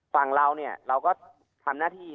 ฝั่งเราเนี่ยเราก็ทำหน้าที่